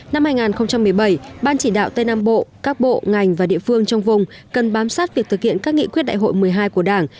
năm hai nghìn một mươi bảy ban chỉ đạo tây nam bộ các bộ ngành và địa phương trong vùng cần bám sát việc thực hiện các nghị quyết đại hội một mươi hai của đảng